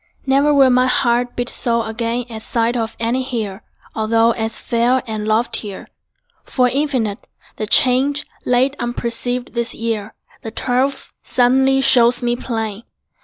Never will My heart beat so again at sight Of any hill although as fair And loftier. For infinite The change, late unperceived, this year, The twelfth, suddenly, shows me plain.